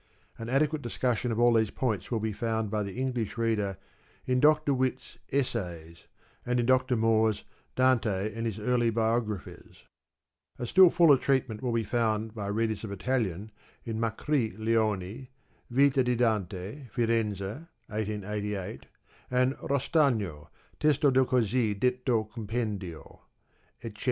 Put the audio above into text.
An adequate discussion of all these points will be found by the English reader in Dr. Witte's " Essays," ^ and in Dr. Moore's " Dante and his early Biographers." ^ A still fuller treatment will be found by readers of Italian in Macri Leone {Fita di Dante, Firenze, 1888) and Rostagno {Testo del cost detto Com pendiOf et cet.